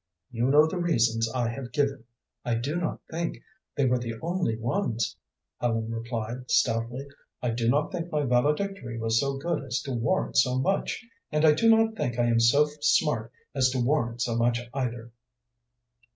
"You know the reasons I have given." "I do not think they were the only ones," Ellen replied, stoutly. "I do not think my valedictory was so good as to warrant so much, and I do not think I am so smart as to warrant so much, either."